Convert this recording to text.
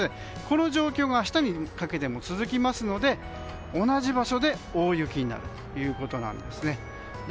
この状況が明日にかけても続きますので同じ場所で大雪になるということなんです。